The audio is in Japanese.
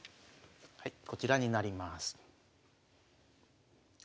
こちらになります。